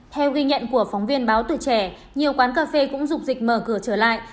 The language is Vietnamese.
theo ghi nhận của phóng viên báo tuổi trẻ nhiều quán cà phê cũng rục dịch mở cửa trở lại